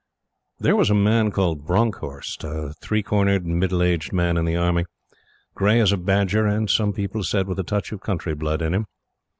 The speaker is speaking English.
There was a man called Bronckhorst a three cornered, middle aged man in the Army gray as a badger, and, some people said, with a touch of country blood in him.